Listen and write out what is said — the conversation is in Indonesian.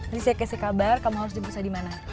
rizeki kasih kabar kamu harus jemput saya dimana